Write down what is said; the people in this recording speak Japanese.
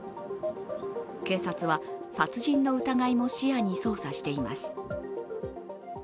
警察は殺人の疑いも視野に捜査しています。